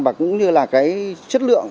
và cũng như là chất lượng